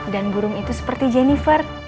dan burung itu seperti jeniper